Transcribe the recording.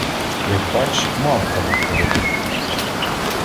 Як бач, мавками поробив.